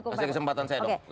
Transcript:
kasih kesempatan saya dong